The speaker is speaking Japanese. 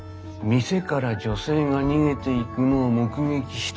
店から女性が逃げていくのを目撃したと証言している。